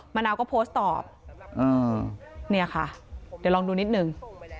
มะนาวก็โพสต์ตอบเนี่ยค่ะเดี๋ยวลองดูนิดนึง